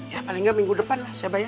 ya paling enggak minggu depan lah saya bayar